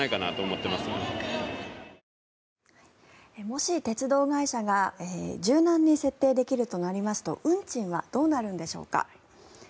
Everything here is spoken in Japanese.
もし、鉄道会社が柔軟に設定できるとなりますと運賃はどうなるんでしょうか。